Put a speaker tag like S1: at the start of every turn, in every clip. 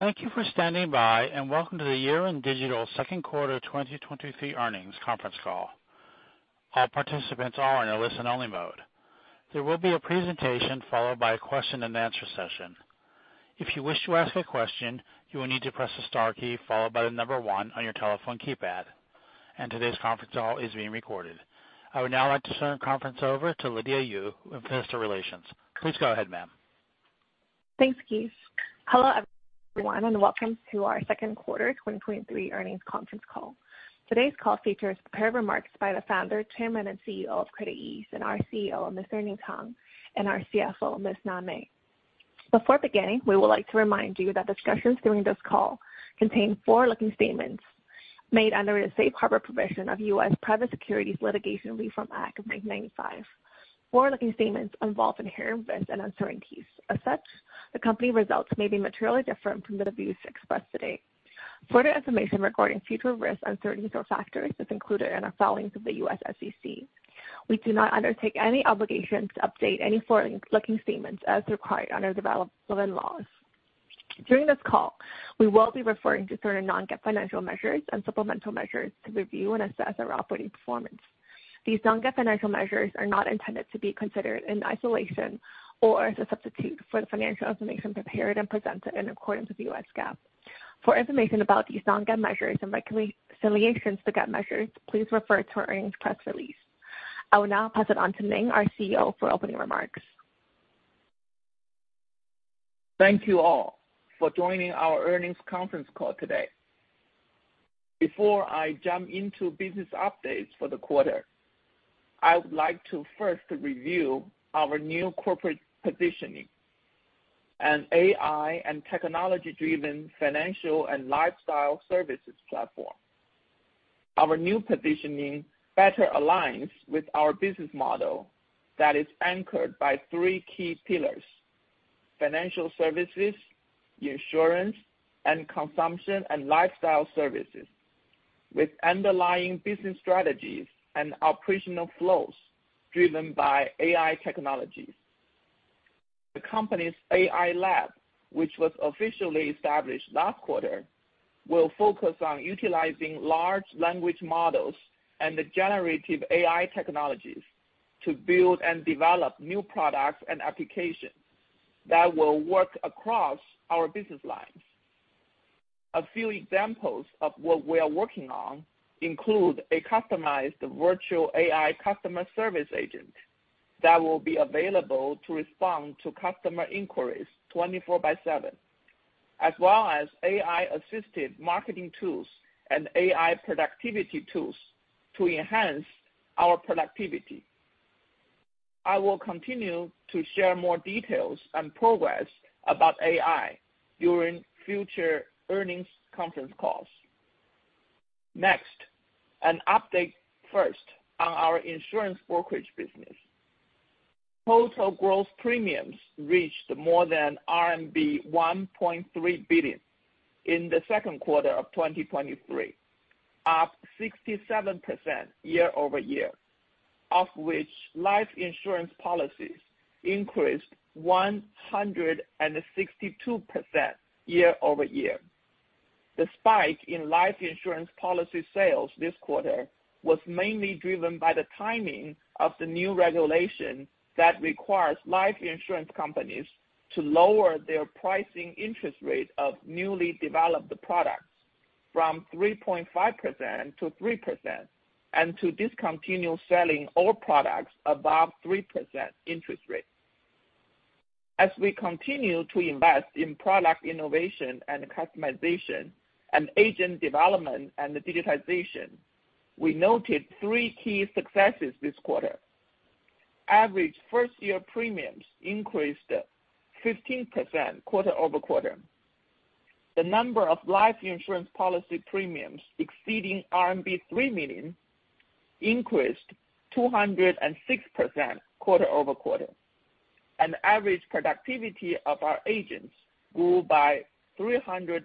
S1: Thank you for standing by. Welcome to the Yiren Digital second quarter 2023 earnings conference call. All participants are in a listen-only mode. There will be a presentation followed by a question-and-answer session. If you wish to ask a question, you will need to press the star key followed by 1 on your telephone keypad, and today's conference call is being recorded. I would now like to turn the conference over to Lydia Yu, Investor Relations. Please go ahead, ma'am.
S2: Thanks, Keith. Hello, everyone, welcome to our second quarter 2023 earnings conference call. Today's call features prepared remarks by the Founder, Chairman, and CEO of CreditEase, and our CEO, Mr. Ning Tang, and our CFO, Ms. Na Mei. Before beginning, we would like to remind you that discussions during this call contain forward-looking statements made under the safe harbor provision of U.S. Private Securities Litigation Reform Act of 1995. Forward-looking statements involve inherent risks and uncertainties. As such, the company results may be materially different from the views expressed today. Further information regarding future risks, uncertainties, or factors is included in our filings with the U.S. SEC. We do not undertake any obligation to update any forward-looking statements as required under development laws. During this call, we will be referring to certain non-GAAP financial measures and supplemental measures to review and assess our operating performance. These non-GAAP financial measures are not intended to be considered in isolation or as a substitute for the financial information prepared and presented in accordance with the U.S. GAAP. For information about these non-GAAP measures and reconciliation to GAAP measures, please refer to our earnings press release. I will now pass it on to Ning, our CEO, for opening remarks.
S3: Thank you all for joining our earnings conference call today. Before I jump into business updates for the quarter, I would like to first review our new corporate positioning, an AI and technology-driven financial and lifestyle services platform. Our new positioning better aligns with our business model that is anchored by three key pillars: financial services, insurance, and consumption and lifestyle services, with underlying business strategies and operational flows driven by AI technologies. The company's AI Lab, which was officially established last quarter, will focus on utilizing large language models and the generative AI technologies to build and develop new products and applications that will work across our business lines. A few examples of what we are working on include a customized virtual AI customer service agent that will be available to respond to customer inquiries 24/7, as well as AI-assisted marketing tools and AI productivity tools to enhance our productivity. I will continue to share more details and progress about AI during future earnings conference calls. An update first on our insurance brokerage business. Total growth premiums reached more than RMB 1.3 billion in the second quarter of 2023, up 67% year-over-year, of which life insurance policies increased 162% year-over-year. The spike in life insurance policy sales this quarter was mainly driven by the timing of the new regulation that requires life insurance companies to lower their pricing interest rate of newly developed products from 3.5% to 3% and to discontinue selling all products above 3% interest rate. As we continue to invest in product innovation and customization and agent development and digitization, we noted three key successes this quarter. Average first-year premiums increased 15% quarter-over-quarter. The number of life insurance policy premiums exceeding RMB 3 million increased 206% quarter-over-quarter. Average productivity of our agents grew by 328%.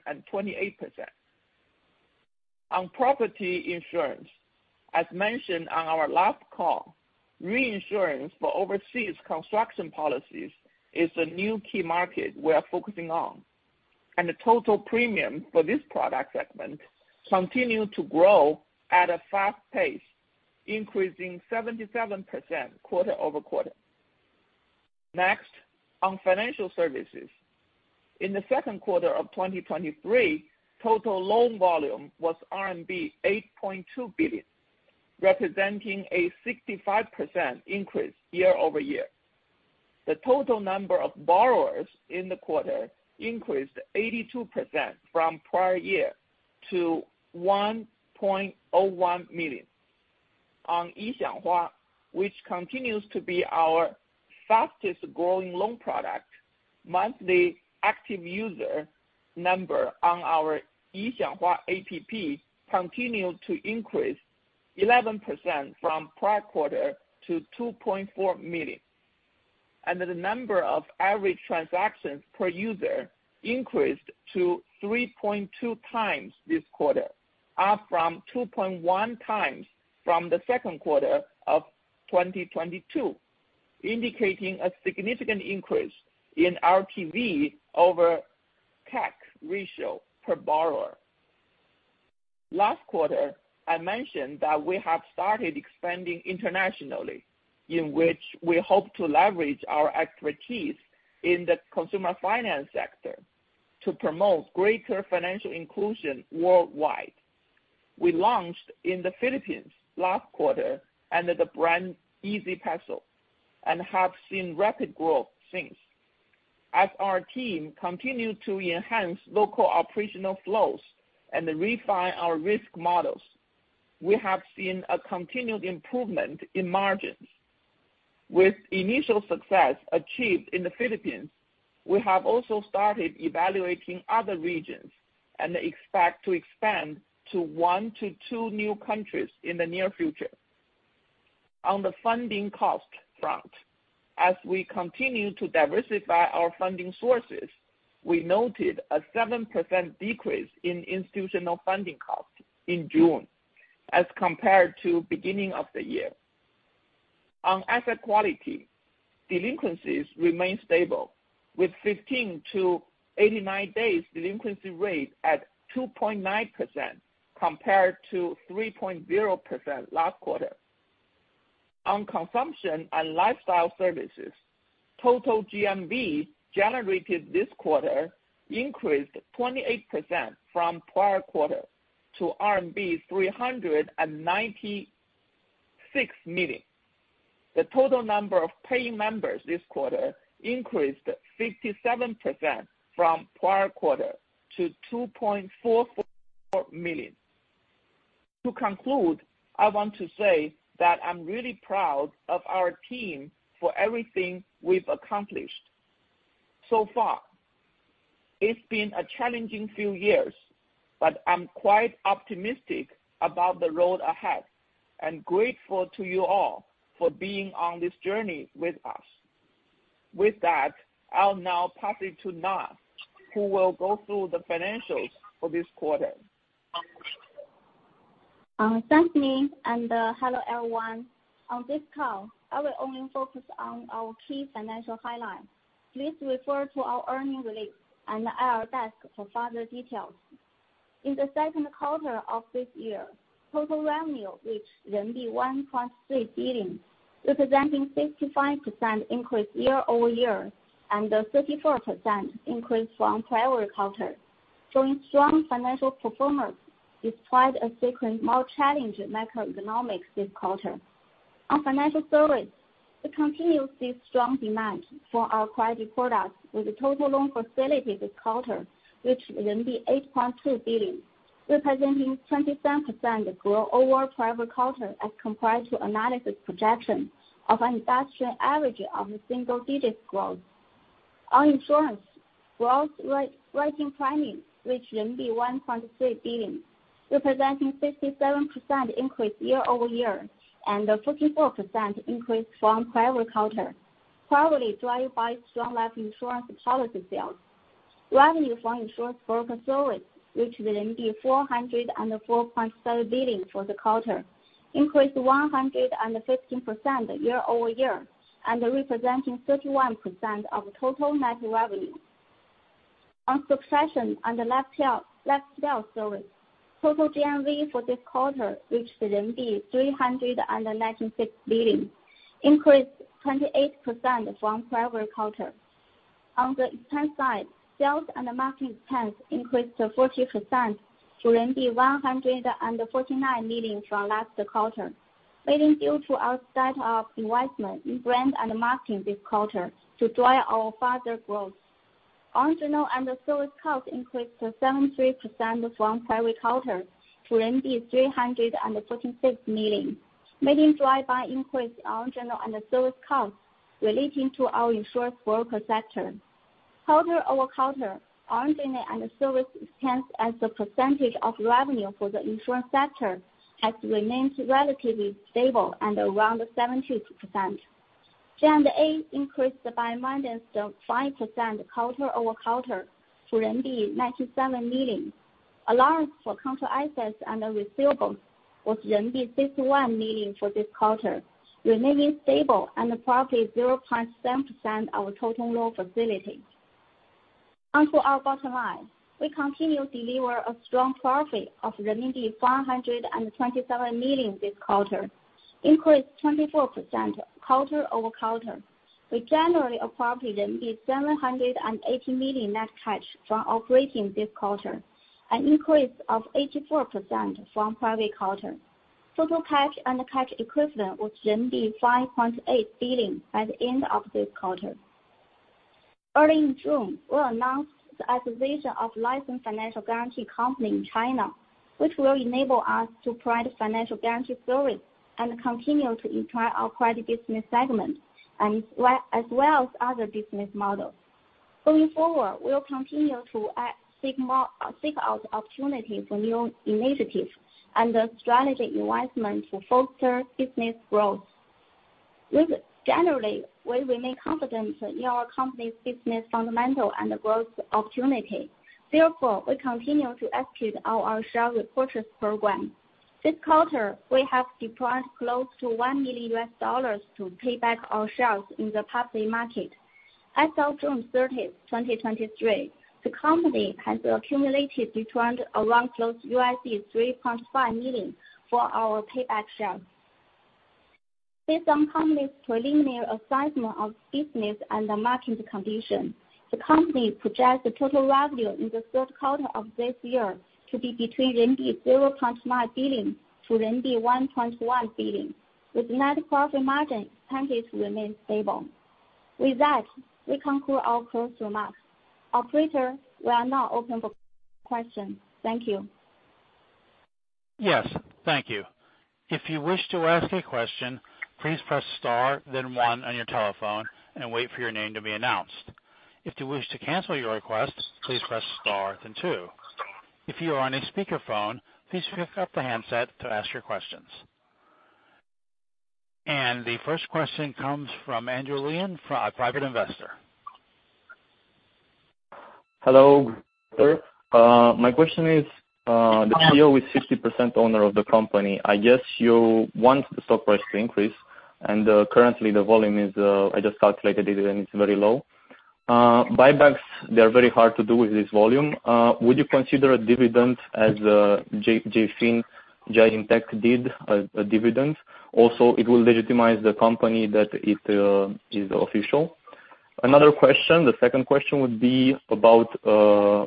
S3: On property insurance, as mentioned on our last call, reinsurance for overseas construction policies is a new key market we are focusing on, and the total premium for this product segment continued to grow at a fast pace, increasing 77% quarter-over-quarter. Next, on financial services. In the second quarter of 2023, total loan volume was RMB 8.2 billion, representing a 65% increase year-over-year. The total number of borrowers in the quarter increased 82% from prior year to 1.01 million. On Yixianghua, which continues to be our fastest-growing loan product, monthly active user number on our Yixianghua App continued to increase 11% from prior quarter to 2.4 million. The number of average transactions per user increased to 3.2 times this quarter, up from 2.1 times from the second quarter of 2022. indicating a significant increase in LTV over CAC ratio per borrower. Last quarter, I mentioned that we have started expanding internationally, in which we hope to leverage our expertise in the consumer finance sector to promote greater financial inclusion worldwide. We launched in the Philippines last quarter under the brand EasyPeso and have seen rapid growth since. As our team continued to enhance local operational flows and refine our risk models, we have seen a continued improvement in margins. With initial success achieved in the Philippines, we have also started evaluating other regions and expect to expand to 1-2 new countries in the near future. On the funding cost front, as we continue to diversify our funding sources, we noted a 7% decrease in institutional funding costs in June as compared to beginning of the year. On asset quality, delinquencies remain stable, with 15-89 days delinquency rate at 2.9%, compared to 3.0% last quarter. On consumption and lifestyle services, total GMV generated this quarter increased 28% from prior quarter to RMB 396 million. The total number of paying members this quarter increased 57% from prior quarter to 2.44 million. To conclude, I want to say that I'm really proud of our team for everything we've accomplished so far. It's been a challenging few years, but I'm quite optimistic about the road ahead and grateful to you all for being on this journey with us. With that, I'll now pass it to Na, who will go through the financials for this quarter.
S4: Thanks, Ning, hello, everyone. On this call, I will only focus on our key financial highlights. Please refer to our earnings release and IR desk for further details. In the second quarter of this year, total revenue reached 1.3 billion, representing 55% increase year-over-year and a 34% increase from prior quarter, showing strong financial performance despite a second more challenging macroeconomics this quarter. On financial service, we continue to see strong demand for our quality products, with total loan facilities this quarter, which 8.2 billion, representing 27% growth over prior quarter as compared to analysis projection of an industrial average of a single-digit growth. On insurance, gross writing premium reached 1.3 billion, representing 57% increase year-over-year, and a 54% increase from prior quarter, primarily driven by strong life insurance policy sales. Revenue from insurance broker service, which 404.3 billion for the quarter, increased 115% year-over-year and representing 31% of total net revenue. On subscription and lifestyle service, total GMV for this quarter reached the RMB 396 billion, increased 28% from prior quarter. On the expense side, sales and marketing expense increased 40% to RMB 149 million from last quarter, mainly due to our set of investment in brand and marketing this quarter to drive our further growth. Our general and the service cost increased to 73% from prior quarter to RMB 346 million, mainly driven by increased general and service costs relating to our insurance broker sector. Quarter-over-quarter, our general and service expense as a percentage of revenue for the insurance sector has remained relatively stable and around 70%. G&A increased by -5% quarter-over-quarter to RMB 97 million. Allowance for contract assets and receivables was RMB 61 million for this quarter, remaining stable and approximately 0.7% of total loan facility. Onto our bottom line, we continue to deliver a strong profit of renminbi 527 million this quarter, increased 24% quarter-over-quarter. We generally acquired 780 million net cash from operating this quarter, an increase of 84% from prior quarter. Total cash and cash equivalent was 5.8 billion by the end of this quarter. Early in June, we announced the acquisition of licensed financial guarantee company in China, which will enable us to provide financial guarantee service and continue to enhance our credit business segment and as well as other business models. Going forward, we'll continue to seek more seek out opportunities for new initiatives and the strategic investment to foster business growth. Generally, we remain confident in our company's business fundamental and the growth opportunity. Therefore, we continue to execute our share repurchase program.
S3: This quarter, we have deployed close to $1 million to pay back our shares in the public market. As of June 30th, 2023, the company has accumulated returned around $3.5 million for our payback share. Based on company's preliminary assessment of business and the market condition, the company projects the total revenue in the third quarter of this year to be between RMB 0.9 billion to RMB 1.1 billion, with net profit margin percentage remain stable. With that, we conclude our close remarks. Operator, we are now open for questions. Thank you.
S1: Yes, thank you. If you wish to ask a question, please press star, then one on your telephone and wait for your name to be announced. If you wish to cancel your request, please press star then two. If you are on a speakerphone, please pick up the handset to ask your questions. And the first question comes from Andrew Lean, a private investor.
S5: Hello, sir. My question is, the CEO is 60% owner of the company. I guess you want the stock price to increase, and currently the volume is, I just calculated it, and it's very low. Buybacks, they are very hard to do with this volume. Would you consider a dividend as Jiayin Group Inc. did, a dividend? Also, it will legitimize the company that it is official. Another question, the second question would be about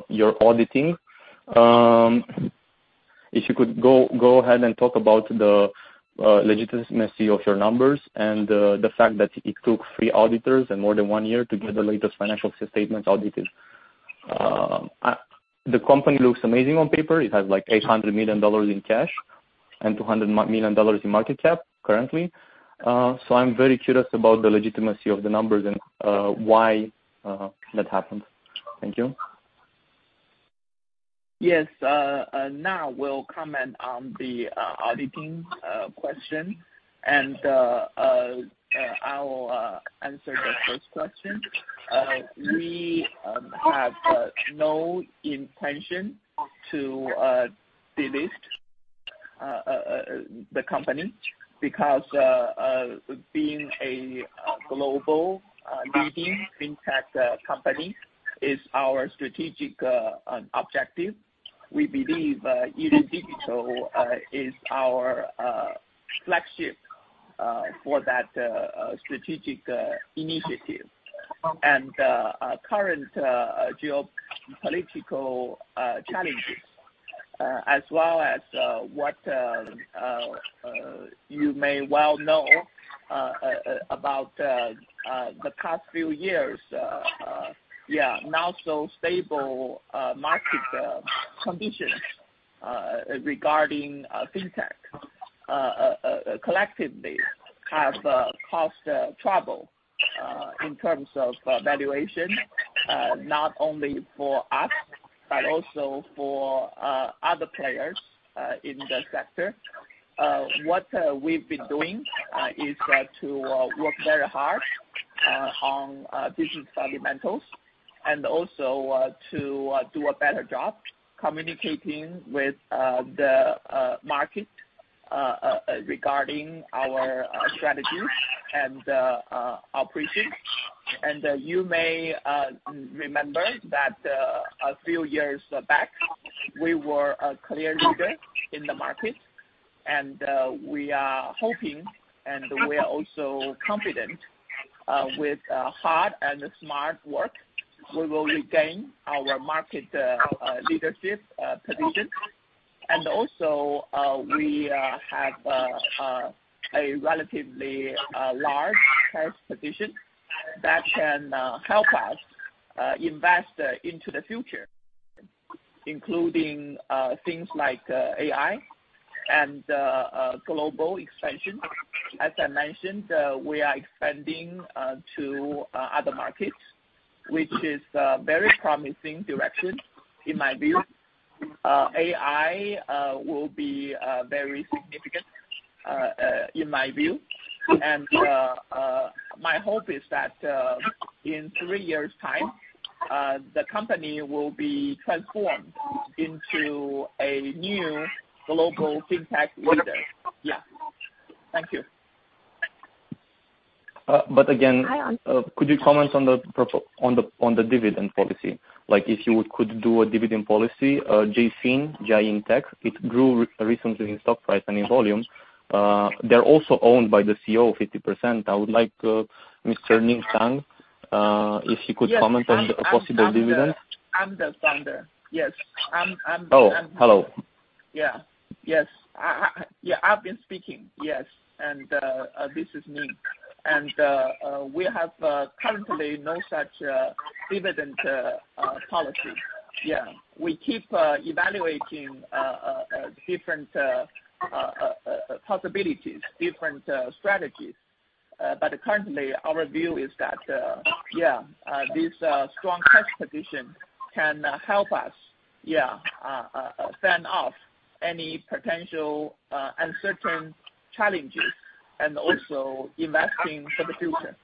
S5: your auditing. If you could go ahead and talk about the legitimacy of your numbers and the fact that it took 3 auditors and more than 1 year to get the latest financial statements audited. The company looks amazing on paper. It has, like, $800 million in cash and $200 million in market cap currently. I'm very curious about the legitimacy of the numbers and why that happened. Thank you.
S3: Yes, now we'll comment on the auditing question, and I'll answer the first question. We have no intention to delist the company, because being a global leading fintech company is our strategic objective. We believe Yiren Digital is our flagship for that strategic initiative. Current geopolitical challenges, as well as what you may well know about the past few years, yeah, not so stable market conditions regarding fintech, collectively have caused trouble in terms of valuation, not only for us, but also for other players in the sector. What we've been doing is to work very hard on business fundamentals and also to do a better job communicating with the market regarding our strategy and our precinct. You may remember that a few years back, we were a clear leader in the market, we are hoping, and we are also confident, with hard and smart work, we will regain our market leadership position. Also, we have a relatively large cash position that can help us invest into the future, including things like AI and global expansion. As I mentioned, we are expanding to other markets, which is a very promising direction, in my view. AI will be very significant in my view. My hope is that in three years' time the company will be transformed into a new global fintech leader. Yeah. Thank you.
S5: again-
S2: Hi,
S5: Could you comment on the dividend policy? Like, if you could do a dividend policy, Jiayin Group Inc., it grew recently in stock price and in volume. They're also owned by the CEO, 50%. I would like Mr. Ning Tang, if he could comment on the possible dividend.
S3: I'm the founder. Yes.
S5: Oh, hello.
S3: Yeah. Yes. I've been speaking. Yes, this is me. We have currently no such dividend policy. Yeah. We keep evaluating different possibilities, different strategies. Currently, our view is that, yeah, this strong cash position can help us, yeah, fend off any potential uncertain challenges and also investing for the future.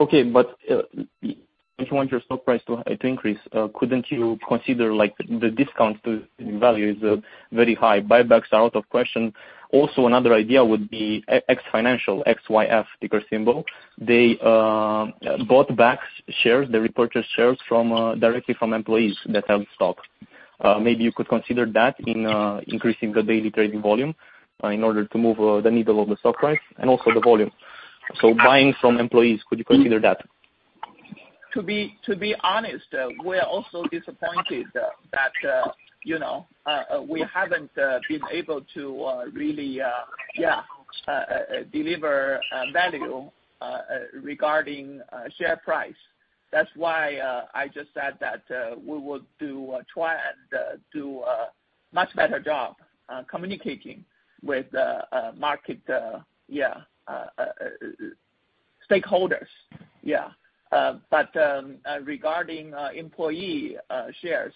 S5: Okay, if you want your stock price to, to increase, couldn't you consider, like, the discount to value is very high. Buybacks are out of question. Also, another idea would be X Financial, XYF ticker symbol. They bought back shares. They repurchased shares from directly from employees that have stocks. Maybe you could consider that in increasing the daily trading volume in order to move the needle of the stock price and also the volume. Buying from employees, could you consider that?
S3: To be, to be honest, we're also disappointed that, you know, we haven't been able to really, yeah, deliver value regarding share price. That's why I just said that we would do, try and do a much better job communicating with the market, yeah, stakeholders. Yeah. Regarding employee shares,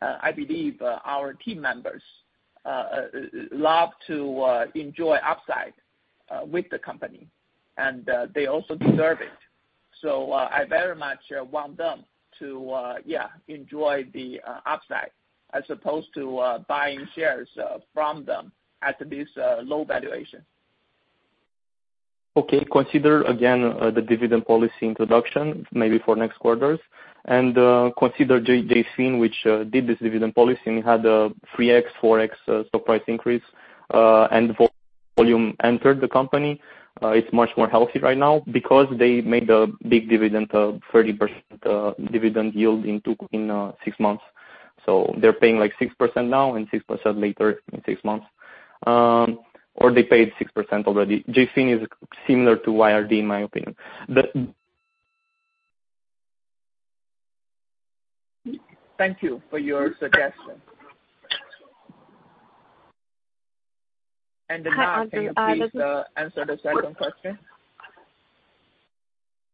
S3: I believe our team members love to enjoy upside with the company, and they also deserve it. I very much want them to, yeah, enjoy the upside as opposed to buying shares from them at this low valuation.
S5: Okay, consider again the dividend policy introduction, maybe for next quarters, consider JFIN, which did this dividend policy, and it had a 3x, 4x stock price increase, and volume entered the company. It's much more healthy right now because they made a big dividend of 30% dividend yield in 6 months. They're paying, like, 6% now and 6% later in 6 months. Or they paid 6% already. JFIN is similar to YRD, in my opinion.
S3: Thank you for your suggestion. Then, can you please answer the second question?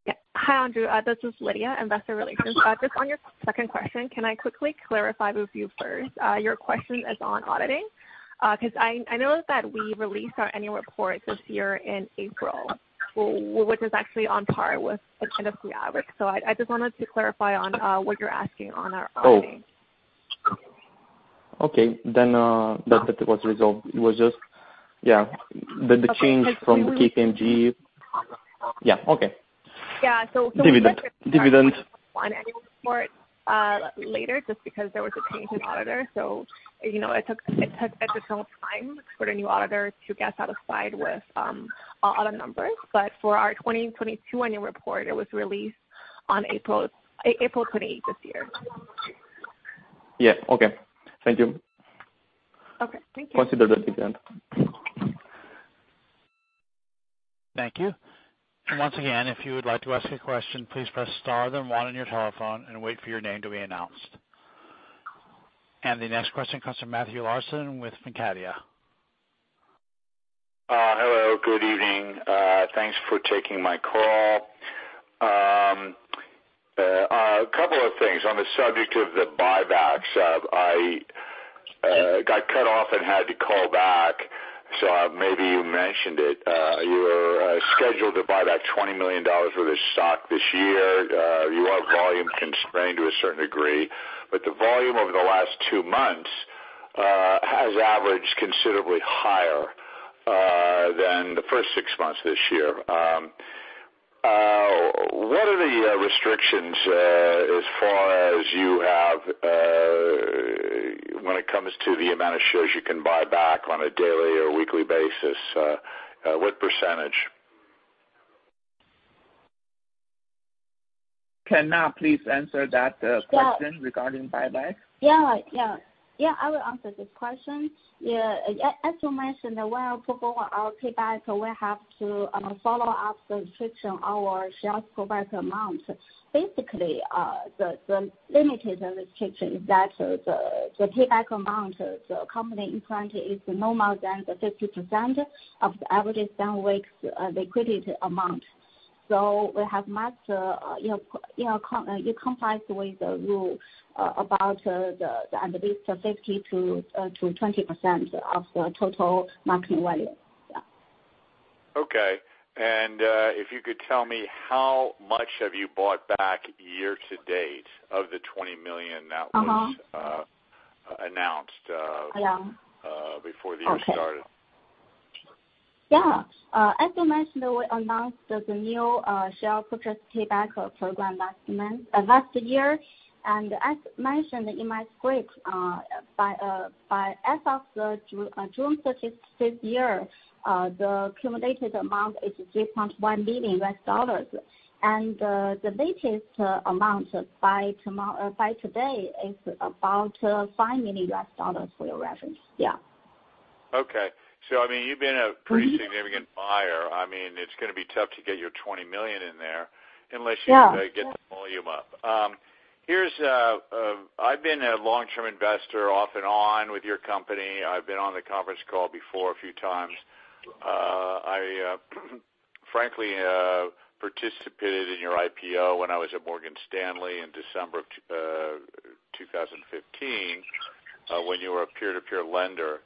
S2: Yeah. Hi, Andrew. This is Lydia, investor relations. Just on your second question, can I quickly clarify with you first, your question is on auditing? 'Cause I, I know that we released our annual report this year in April, which is actually on par with the kind of the average. I, I just wanted to clarify on, what you're asking on our auditing.
S5: Oh. Okay, then, that was resolved. It was just, yeah, the, the change from KPMG. Yeah. Okay.
S2: Yeah.
S5: Dividend, dividend.
S2: One annual report later, just because there was a change in auditor. you know, it took, it took additional time for the new auditor to get satisfied with a lot of numbers. for our 2022 annual report, it was released on April 28 this year.
S5: Yeah. Okay. Thank you.
S2: Okay. Thank you.
S5: Consider the dividend.
S1: Thank you. Once again, if you would like to ask a question, please press star then star on your telephone and wait for your name to be announced. The next question comes from Matthew Larson with Mercadia.
S6: Hello, good evening. Thanks for taking my call. A couple of things. On the subject of the buybacks, I got cut off and had to call back, so maybe you mentioned it. You're scheduled to buy back $20 million worth of stock this year. You are volume constrained to a certain degree, but the volume over the last two months has averaged considerably higher than the first six months this year. What are the restrictions as far as you have when it comes to the amount of shares you can buy back on a daily or weekly basis, what percentage?
S3: Can Na please answer that question regarding buyback?
S4: Yeah. Yeah. Yeah, I will answer this question. Yeah, as you mentioned, when I perform our payback, we have to follow up the restriction on our sales payback amount. Basically, the limited restriction is that the payback amount, the company in front is no more than 50% of the average down weeks liquidity amount. We have met, you know, you know, it complies with the rule about at least 50%-20% of the total market value. Yeah.
S6: Okay. If you could tell me, how much have you bought back year to date of the $20 million that was...
S4: Uh-huh.
S6: announced,
S4: Yeah
S6: Before the year started?
S4: Yeah. As you mentioned, we announced the new share purchase payback program last month, last year. As mentioned in my script, as of June 30 this year, the accumulated amount is $3.1 billion. The latest amount by today is about $5 million for your reference. Yeah.
S6: Okay. I mean, you've been a pretty significant buyer. I mean, it's going to be tough to get your $20 million in there unless you-
S4: Yeah.
S6: get the volume up. Here's, I've been a long-term investor off and on with your company. I've been on the conference call before a few times. I, frankly, participated in your IPO when I was at Morgan Stanley in December 2015, when you were a peer-to-peer lender.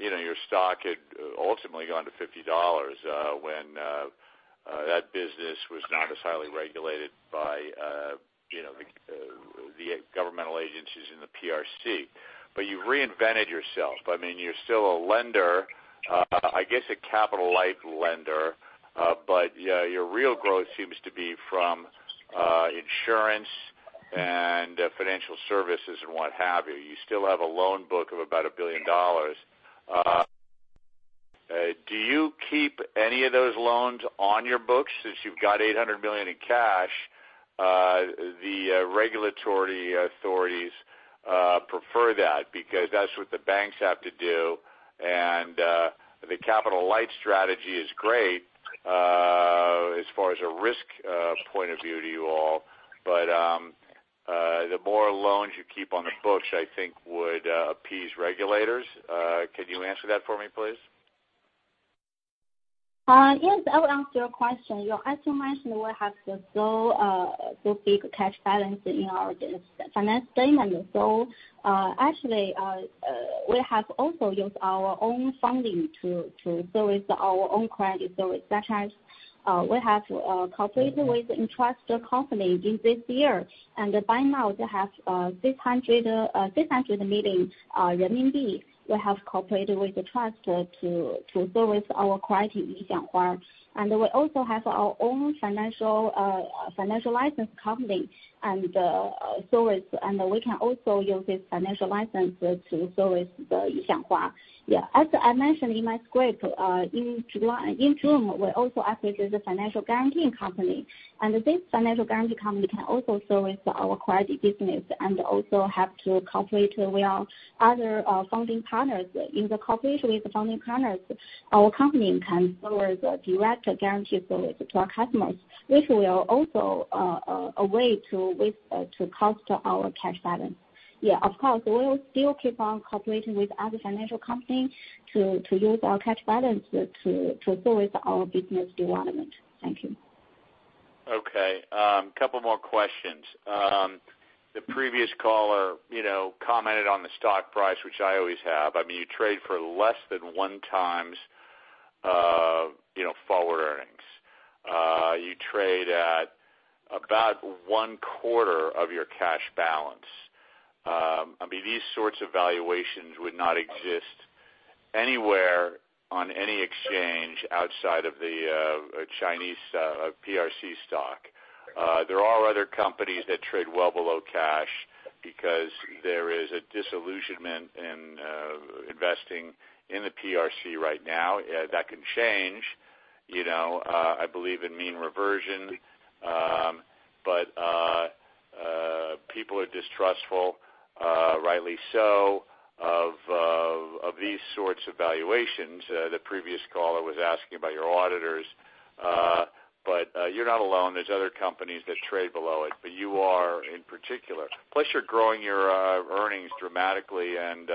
S6: You know, your stock had ultimately gone to $50, when that business was not as highly regulated by, you know, the, the governmental agencies in the PRC. You've reinvented yourself. I mean, you're still a lender, I guess a capital light lender. Yeah, your real growth seems to be from, insurance and financial services and what have you. You still have a loan book of about $1 billion. Do you keep any of those loans on your books since you've got $800 million in cash? The regulatory authorities prefer that because that's what the banks have to do, the capital light strategy is great as far as a risk point of view to you all. The more loans you keep on the books, I think would appease regulators. Can you answer that for me, please?
S4: Yes, I will answer your question. You know, as you mentioned, we have a so, so big cash balance in our finance statement. So, actually, we have also used our own funding to, to service our own credit service. Such as, we have cooperated with interest company in this year, and by now we have 600 million RMB. We have cooperated with the trust to, to service our credit in Yixianghua. And we also have our own financial, financial license company and service, and we can also use this financial license to service the Yixianghua. Yeah, as I mentioned in my script, in July, in June, we also acted as a financial guaranteeing company, and this financial guarantee company can also service our credit business and also have to cooperate with our other funding partners. In the cooperation with the funding partners, our company can provide direct guarantee service to our customers, which will also, a way to with, cut our cash balance. Yeah, of course, we'll still keep on cooperating with other financial companies to use our cash balance to service our business development. Thank you.
S6: Okay. Couple more questions. The previous caller, you know, commented on the stock price, which I always have. I mean, you trade for less than 1 times, you know, forward earnings. You trade at about one quarter of your cash balance. I mean, these sorts of valuations would not exist anywhere on any exchange outside of the Chinese PRC stock. There are other companies that trade well below cash because there is a disillusionment in investing in the PRC right now. That can change. You know, I believe in mean reversion, but people are distrustful, rightly so, of these sorts of valuations. The previous caller was asking about your auditors, but you're not alone. There's other companies that trade below it, but you are in particular. Plus, you're growing your earnings dramatically and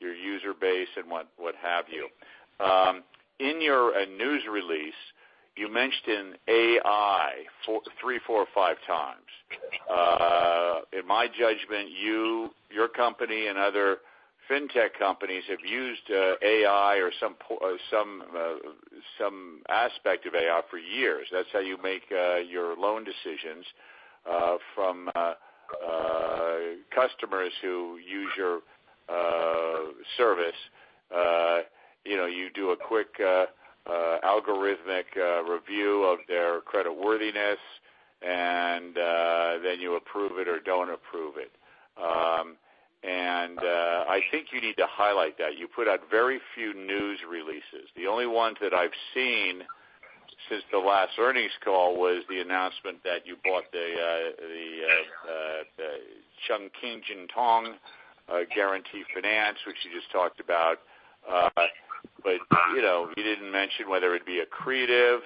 S6: your user base and what, what have you. In your news release, you mentioned AI 3, 4, or 5 times. In my judgment, you, your company, and other fintech companies have used AI or some or some aspect of AI for years. That's how you make your loan decisions from customers who use your service. You know, you do a quick algorithmic review of their creditworthiness, and then you approve it or don't approve it. I think you need to highlight that. You put out very few news releases. The only ones that I've seen since the last earnings call was the announcement that you bought the the Chongqing Jintong Guarantee Finance, which you just talked about. You know, you didn't mention whether it'd be accretive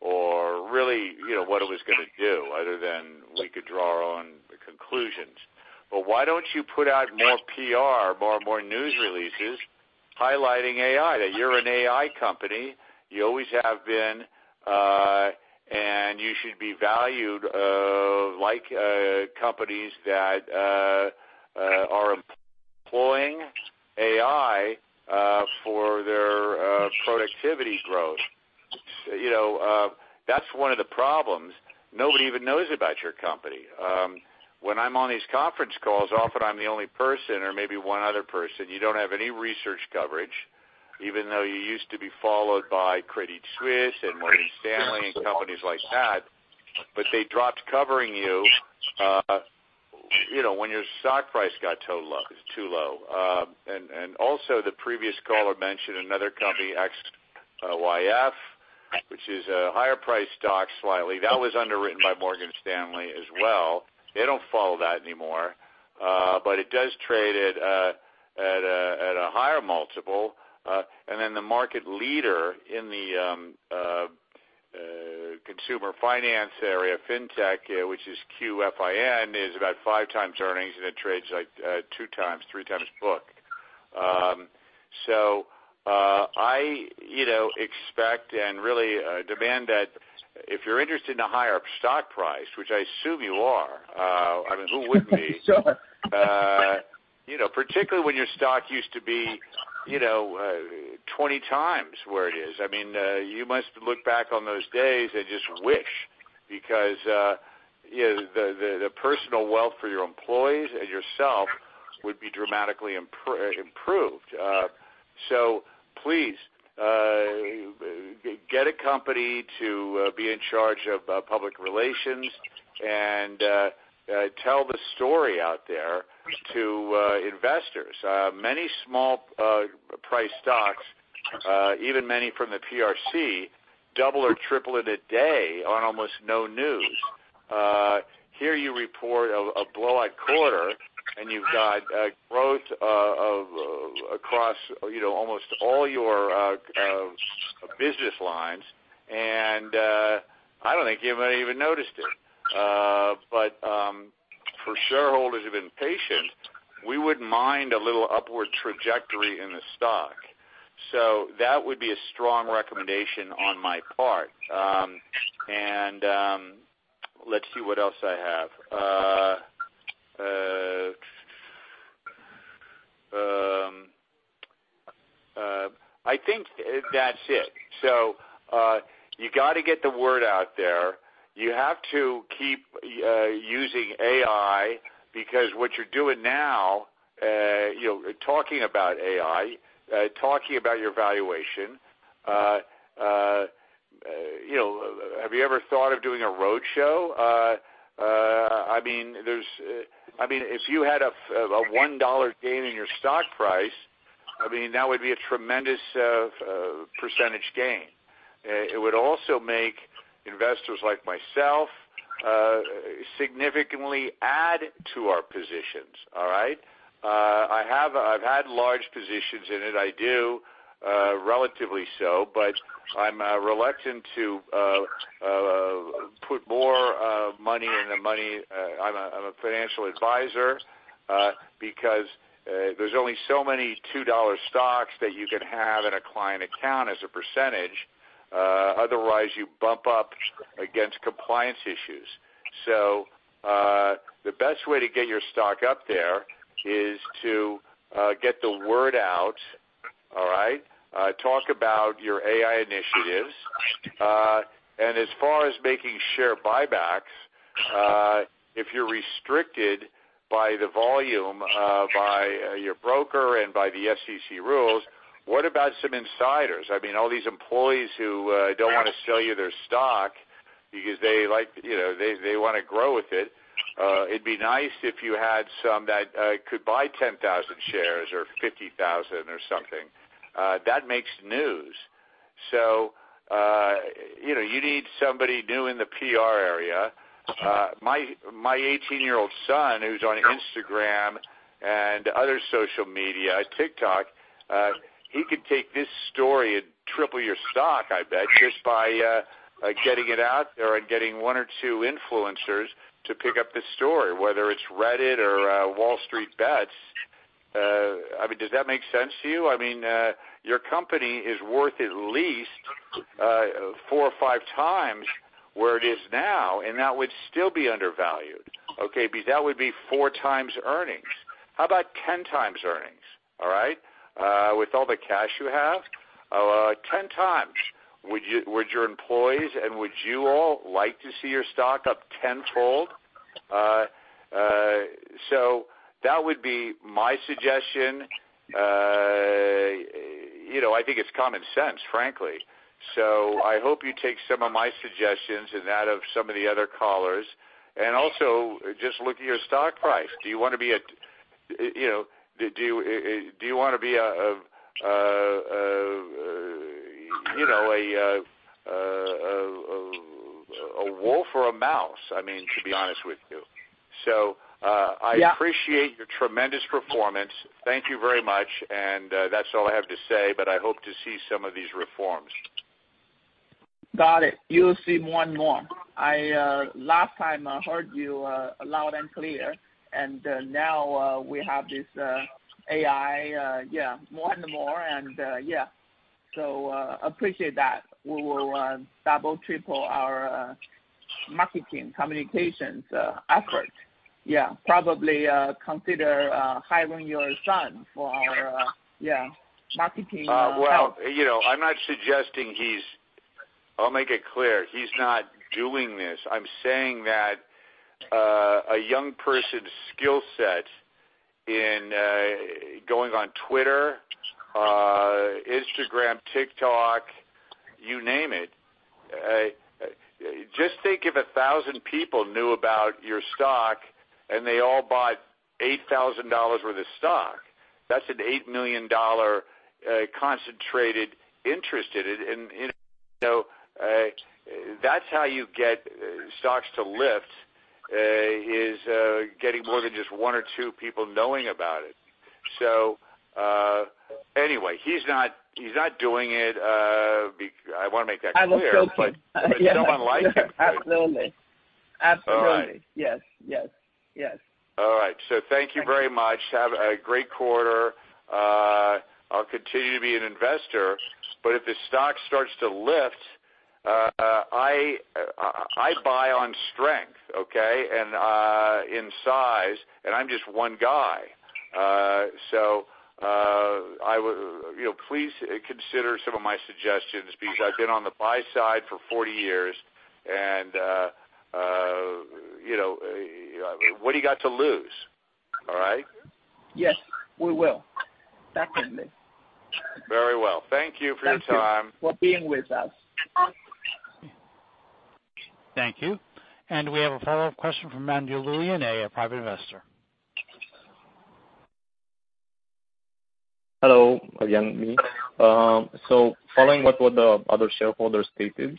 S6: or really, you know, what it was gonna do other than we could draw our own conclusions. Why don't you put out more PR, more, more news releases highlighting AI? That you're an AI company, you always have been, and you should be valued like companies that are employing AI for their productivity growth. You know, that's one of the problems. Nobody even knows about your company. When I'm on these conference calls, often I'm the only person or maybe one other person. You don't have any research coverage, even though you used to be followed by Credit Suisse and Morgan Stanley and companies like that, but they dropped covering you, you know, when your stock price got too low, too low. Also the previous caller mentioned another company, X YF, which is a higher priced stock, slightly. That was underwritten by Morgan Stanley as well. They don't follow that anymore, but it does trade at a, at a, at a higher multiple. Then the market leader in the consumer finance area, fintech, which is QFIN, is about 5x earnings, and it trades like 2x, 3x book. I, you know, expect and really demand that if you're interested in a higher stock price, which I assume you are, I mean, who wouldn't be?
S3: Sure.
S6: You know, particularly when your stock used to be, you know, 20 times where it is. I mean, you must look back on those days and just wish because, you know, the personal wealth for your employees and yourself would be dramatically improved. So please, get a company to be in charge of public relations and tell the story out there to investors. Many small priced stocks, even many from the PRC, double or triple in a day on almost no news. Here you report a blowout quarter, and you've got growth of, across, you know, almost all your business lines, and I don't think anybody even noticed it. For shareholders who've been patient, we wouldn't mind a little upward trajectory in the stock. That would be a strong recommendation on my part. And, let's see what else I have. I think that's it. So, you got to get the word out there. You have to keep using AI, because what you're doing now, you know, talking about AI, talking about your valuation, you know, have you ever thought of doing a roadshow? I mean, if you had a $1 gain in your stock price, I mean, that would be a tremendous percentage gain. It would also make investors like myself significantly add to our positions. All right? I have I've had large positions in it. I do, relatively so, but I'm reluctant to put more money in the money. I'm a, I'm a financial advisor, because there's only so many $2 stocks that you can have in a client account as a percentage. Otherwise, you bump up against compliance issues. So, the best way to get your stock up there is to get the word out. All right? Talk about your AI initiatives. And as far as making share buybacks, if you're restricted by the volume, by your broker and by the SEC rules, what about some insiders? I mean, all these employees who don't want to sell you their stock because they like, you know, they, they want to grow with it. It'd be nice if you had some that could buy 10,000 shares or 50,000 or something. That makes news. You know, you need somebody new in the PR area. My, my 18-year-old son, who's on Instagram and other social media, TikTok, he could take this story and triple your stock, I bet, just by getting it out there and getting 1 or 2 influencers to pick up the story, whether it's Reddit or WallStreetBets. Does that make sense to you? Your company is worth at least 4 or 5 times where it is now, and that would still be undervalued, okay? Because that would be 4 times earnings. How about 10 times earnings? All right? With all the cash you have, 10 times, would you, would your employees and would you all like to see your stock up tenfold? That would be my suggestion. You know, I think it's common sense, frankly. I hope you take some of my suggestions and that of some of the other callers, and also just look at your stock price. Do you want to be a, you know, do you want to be a, you know, a wolf or a mouse? I mean, to be honest with you.
S3: Yeah.
S6: I appreciate your tremendous performance. Thank you very much. That's all I have to say. I hope to see some of these reforms.
S3: Got it. You'll see more and more. I last time I heard you loud and clear, and now we have this AI, yeah, more and more. Appreciate that. We will double, triple our marketing communications effort. Probably consider hiring your son for our marketing.
S6: Well, you know, I'm not suggesting he's... I'll make it clear, he's not doing this. I'm saying that, a young person's skill set in, going on Twitter, Instagram, TikTok, you name it. Just think if 1,000 people knew about your stock, and they all bought $8,000 worth of stock. That's an $8 million, concentrated interest in it, and, you know, that's how you get stocks to lift, is, getting more than just one or two people knowing about it. Anyway, he's not, he's not doing it, I want to make that clear.
S3: I hope so.
S6: Someone like him.
S3: Absolutely. Absolutely. Yes, yes, yes.
S6: All right. Thank you very much. Have a great quarter. I'll continue to be an investor, but if the stock starts to lift, I, I buy on strength, okay? In size, and I'm just one guy. I would, you know, please consider some of my suggestions, because I've been on the buy side for 40 years, you know, what do you got to lose? All right.
S3: Yes, we will. Definitely.
S6: Very well. Thank you for your time.
S3: Thank you for being with us.
S1: Thank you. We have a follow-up question from Andrew Lean, a private investor.
S5: Hello again, Ming. Following what the other shareholders stated,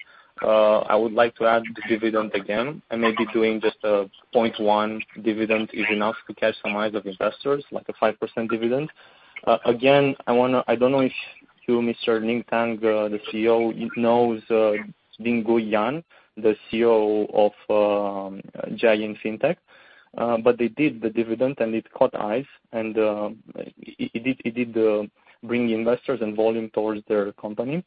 S5: I would like to add the dividend again, and maybe doing just a 0.1 dividend is enough to catch some eyes of investors, like a 5% dividend. Again, I wanna I don't know if you, Mr. Ning Tang, the CEO, knows Dinggui Yan, the CEO of Jiayin Group Inc., but they did the dividend and it caught eyes, and it did, it did bring investors and volume towards their company.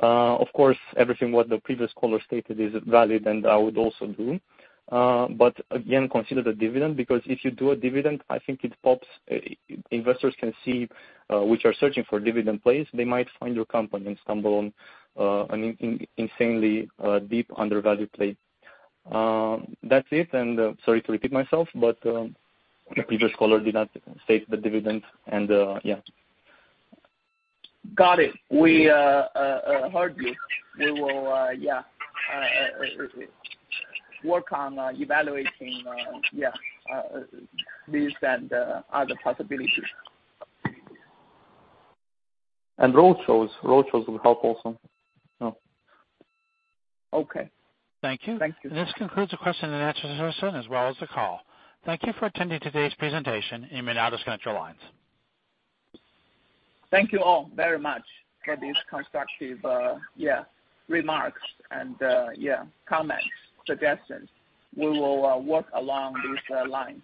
S5: Of course, everything what the previous caller stated is valid, and I would also do. Again, consider the dividend, because if you do a dividend, I think it pops, investors can see, which are searching for dividend plays, they might find your company and stumble on an insanely deep undervalued play. That's it. Sorry to repeat myself, but the previous caller did not state the dividend, yeah.
S3: Got it. We heard you. We will work on evaluating this and other possibilities.
S5: Roadshows. Roadshows will help also.
S3: Okay.
S1: Thank you.
S3: Thank you.
S1: This concludes the question and answer session as well as the call. Thank you for attending today's presentation. You may now disconnect your lines.
S3: Thank you all very much for this constructive remarks and comments, suggestions. We will work along these lines.